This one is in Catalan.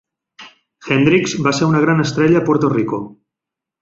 Hendricks va ser una gran estrella a Puerto Rico.